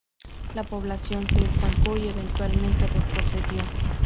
La población se estancó y eventualmente retrocedió.